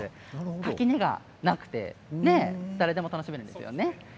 垣根がなくて誰でも楽しめるんですよね。